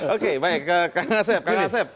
oke baik kak ngasep